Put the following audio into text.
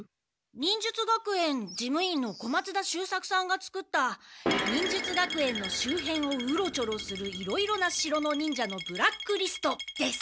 忍術学園事務員の小松田秀作さんが作った「忍術学園の周辺をウロチョロするいろいろな城の忍者のブラックリスト」です。